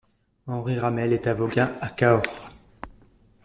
Henri Ramel est avocat à Cahors.